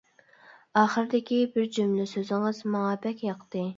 ئاخىردىكى بىر جۈملە سۆزىڭىز ماڭا بەك ياقتى.